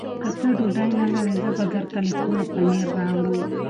که ته ډوډۍ نه لرې، زه به درته له کوره پنېر راوړم.